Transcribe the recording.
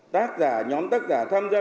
tác giả nhóm tác giả tham gia